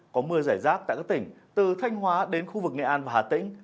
có mưa rải rác tại các tỉnh từ thanh hóa đến khu vực nghệ an và hà tĩnh